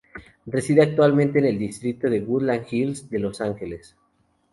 Reside actualmente en el distrito de Woodland Hills de Los Angeles.